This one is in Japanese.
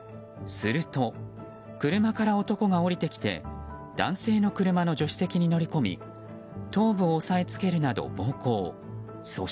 すると、車から男が降りてきて男性の車の助手席に乗り込み頭部を押さえつけるなど暴行。